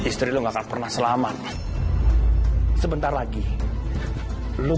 istri lu nggak pernah selamat sebentar lagi lu